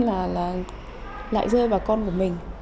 tự kỷ là lại rơi vào con của mình